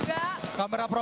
selamat tahun baru